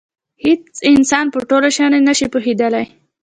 هېڅ انسان په ټولو شیانو نه شي پوهېدلی.